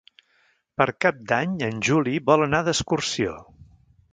Per Cap d'Any en Juli vol anar d'excursió.